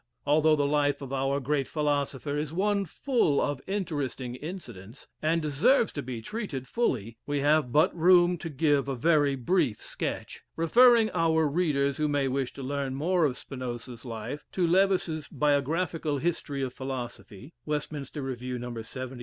Although the life of our great philosopher is one full of interesting incidents, and deserves to be treated fully, we have but room to give a very brief sketch, referring our readers, who may wish to learn more of Spinoza's life, to Lewes's "Biographical History of Philosophy," Westminster Review, No.